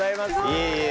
いえいえ。